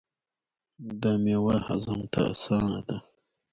دا میوه هضم ته اسانه ده.